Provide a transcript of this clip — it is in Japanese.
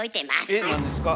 えっ何ですか？